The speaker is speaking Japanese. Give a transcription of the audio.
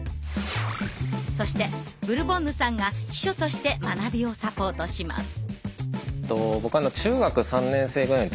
そしてブルボンヌさんが秘書として学びをサポートします。